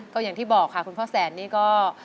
ก็อย่างที่บอกค่ะคุณพ่อแสนนี่ก็